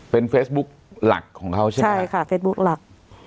เป็นเฟซบุ๊กหลักของเขาใช่ไหมใช่ค่ะเฟซบุ๊คหลัก